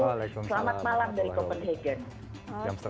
selamat malam dari copenhagen